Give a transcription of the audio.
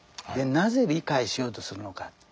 でなぜ理解しようとするのか。